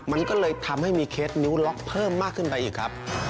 มันก็เลยทำให้มีเคสนิ้วล็อกเพิ่มมากขึ้นไปอีกครับ